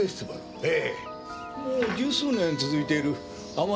ええ。